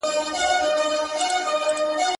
o د څنگ د کور ماسومان پلار غواړي له موره څخه.